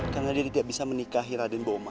karena dia tidak bisa menikahi raden boma